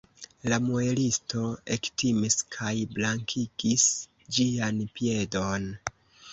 La muelisto ektimis kaj blankigis ĝian piedon.